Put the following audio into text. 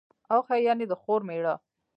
اخښی، يعني د خور مېړه.